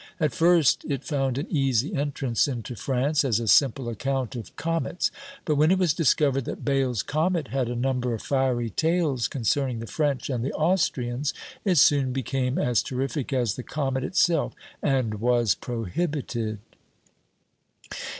At first it found an easy entrance into France, as a simple account of comets; but when it was discovered that Bayle's comet had a number of fiery tales concerning the French and the Austrians, it soon became as terrific as the comet itself, and was prohibited!